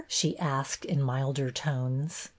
she asked, in milder tones.